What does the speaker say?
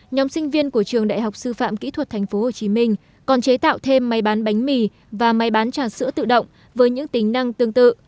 nhóm sinh viên của trường đại học sư phạm kỹ thuật tp hcm còn chế tạo thêm máy bán bánh mì và máy bán trà sữa tự động với những tính năng tương tự